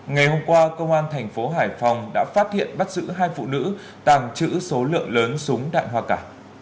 ngày hôm qua công an thành phố hải phòng đã phát hiện bắt giữ hai phụ nữ tàng trữ số lượng lớn súng đạn hoa cả